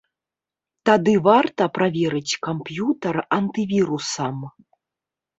Тады варта праверыць камп'ютар антывірусам.